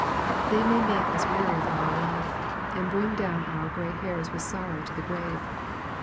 They may make ns weary of our life, and bring down our grey hairs with sorrow to the grave.